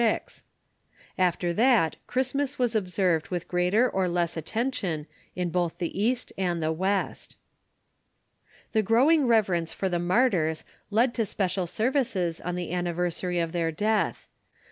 After that Christmas was observed with greater or less attention in both the East and the West. The growing reverence for the martyrs led to special ser vices on the anniversary of their death.